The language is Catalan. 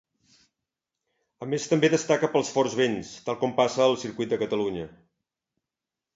A més també destaca pels forts vents, tal com passa al Circuit de Catalunya.